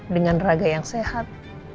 dengan raga yang sehat